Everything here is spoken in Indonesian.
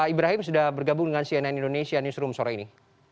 ibrahim sudah bergabung dengan cnn indonesia newsroom sore ini